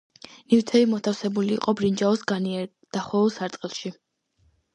ნივთები მოთავსებული იყო ბრინჯაოს განიერ, დახვეულ სარტყელში.